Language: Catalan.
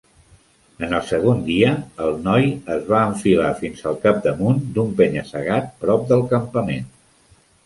En el segon dia, el noi es va enfilar fins al capdamunt d'un penya-segat prop del campament.